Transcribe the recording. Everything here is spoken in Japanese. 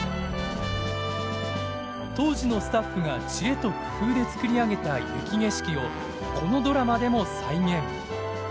当時のスタッフが知恵と工夫で作り上げた雪景色をこのドラマでも再現。